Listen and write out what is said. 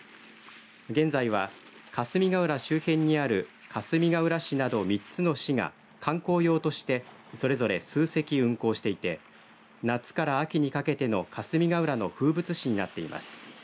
現在は霞ヶ浦周辺にあるかすみがうら市など３つの市が観光用としてそれぞれ数隻運航していて夏から秋にかけての霞ヶ浦の風物詩になっています。